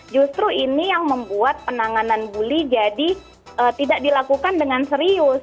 justru ini yang membuat penanganan bully jadi tidak dilakukan dengan serius